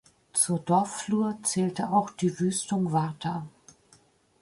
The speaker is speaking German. Zur Dorfflur zählte auch die Wüstung Warta.